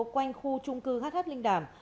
quanh khu trung cư hh linh đàm